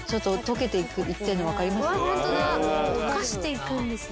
ホントだ溶かしていくんですね。